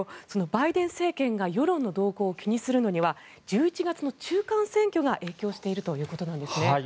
バイデン政権が世論の動向を気にするのには１１月の中間選挙が影響しているということなんですね。